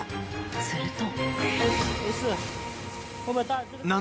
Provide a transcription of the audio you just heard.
すると。